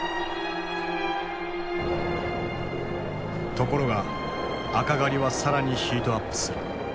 ところが赤狩りは更にヒートアップする。